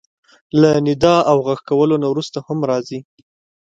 له ندا او غږ کولو نه وروسته هم راځي.